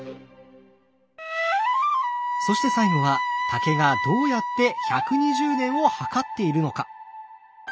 そして最後は竹がどうやって１２０年を計っているのか？